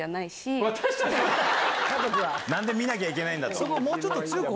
何で見なきゃいけないんだ！と。